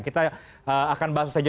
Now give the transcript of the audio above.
kita akan bahas saja